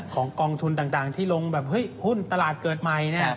กองทุนต่างที่ลงแบบเฮ้ยหุ้นตลาดเกิดใหม่